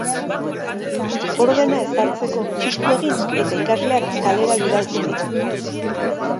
Ordena ezartzeko txistu egin eta ikasleak kalera bidaltzen ditu.